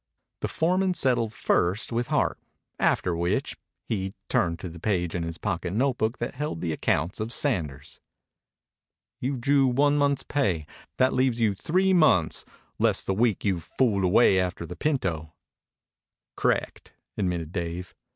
The foreman settled first with Hart, after which he, turned to the page in his pocket notebook that held the account of Sanders. "You've drew one month's pay. That leaves you three months, less the week you've fooled away after the pinto." "C'rect," admitted Dave.